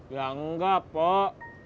ya enggak pok